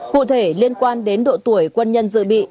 cụ thể liên quan đến độ tuổi quân nhân dự bị